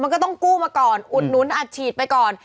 ก็ต้องกู้มาก่อน